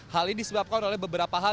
hal ini disebabkan oleh beberapa hal